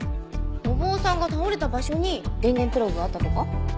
お坊さんが倒れた場所に電源プラグがあったとか？